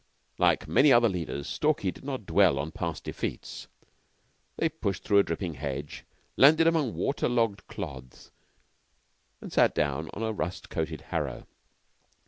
Like many other leaders, Stalky did not dwell on past defeats. They pushed through a dripping hedge, landed among water logged clods, and sat down on a rust coated harrow.